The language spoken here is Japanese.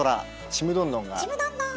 ちむどんどん！